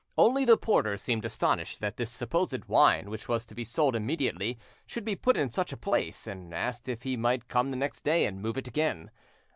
Only the porter seemed astonished that this supposed wine, which was to be sold immediately, should be put in such a place, and asked if he might come the next day and move it again.